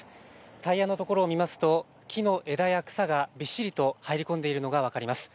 タイヤのところを見ますと木の枝や草がびっしりと入り込んでいるのが分かります。